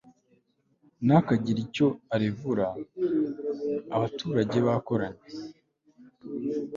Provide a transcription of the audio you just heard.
ntakagire icyo arevura abaturage bakoranye